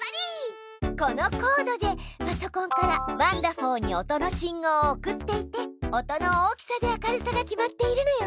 このコードでパソコンからワンだふぉーに音の信号を送っていて音の大きさで明るさが決まっているのよ。